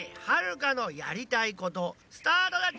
はるかのやりたいことスタート